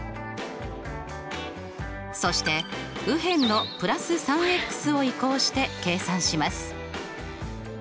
そして右辺の＋３を移項して計算します。